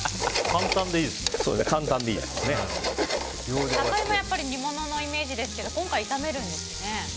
サトイモもやっぱり煮物のイメージですけど今回は炒めるんですね。